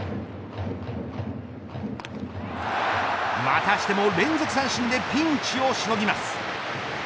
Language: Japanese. またしても連続三振でピンチをしのぎます。